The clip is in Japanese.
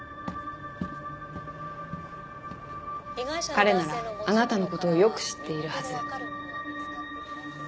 彼ならあなたのことをよく知っているはず。